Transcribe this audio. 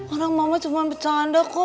orang mama cuma bercanda kok